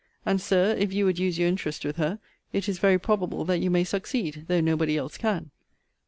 And, Sir, if you would use your interest with her, it is very probable that you may succeed, though nobody else can.